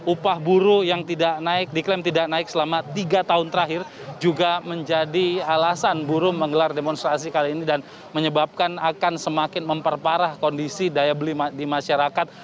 upah buruh yang tidak naik diklaim tidak naik selama tiga tahun terakhir juga menjadi alasan buruh menggelar demonstrasi kali ini dan menyebabkan akan semakin memperparah kondisi daya beli di masyarakat